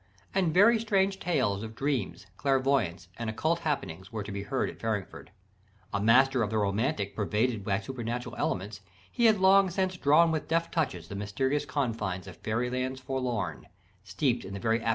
And very strange tales of dreams, clairvoyance, and occult happenings, were to be heard at Farringford. A master of the romantic pervaded by supernatural elements, he had long since drawn with deft touches the mysterious confines of "fäery lands forlorn," steeped in the very atmosphere of dream.